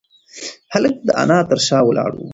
هلک د انا تر شا ولاړ و.